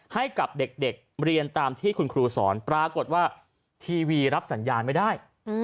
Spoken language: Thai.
ให้กับเด็กเรียนตามที่คุณครูสอนปรากฏว่าทีวีรับสัญญาณไม่ได้